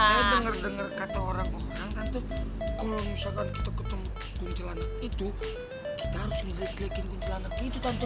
saya dengar dengar kata orang orang tante kalau misalkan kita ketemu guncilana itu kita harus nge glekin guncilana gitu tante